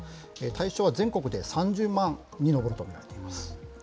対象は全国で３０万に上ると見られています。